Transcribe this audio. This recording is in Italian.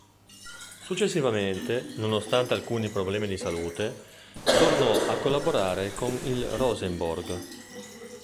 Successivamente, nonostante alcuni problemi di salute, tornò a collaborare con il Rosenborg.